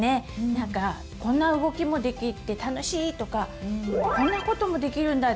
なんかこんな動きもできて楽しいとかこんなこともできるんだってね